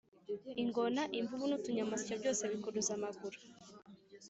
ingona, imvubu, nutunyamasyo byose bikuruza amaguru